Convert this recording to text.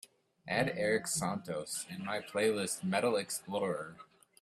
add erik santos in my playlist Metal Xplorer